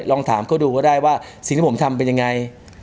ลองถามเขาดูก็ได้ว่าสิ่งที่ผมทำเป็นยังไง